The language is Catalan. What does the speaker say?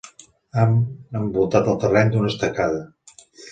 Han envoltat el terreny d'una estacada.